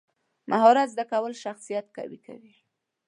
مهارت زده کول شخصیت قوي کوي.